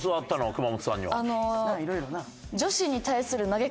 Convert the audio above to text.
熊元さんには。